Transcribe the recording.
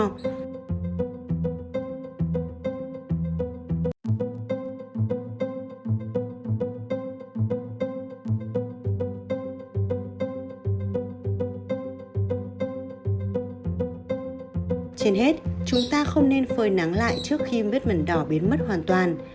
trên hết chúng ta không nên phơi nắng lại trước khi vết mần đỏ biến mất hoàn toàn